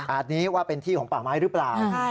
นี้ว่าเป็นที่ของป่าไม้หรือเปล่า